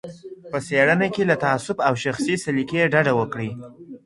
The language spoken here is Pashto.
په څېړنه کي له تعصب او شخصي سلیقې ډډه وکړئ.